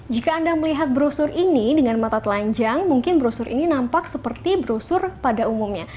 jika anda melihat brosur ini dengan mata telanjang mungkin brosur ini nampak seperti brosur pada umumnya